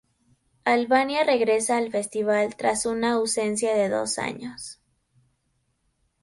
Albania regresa al festival tras una ausencia de dos años.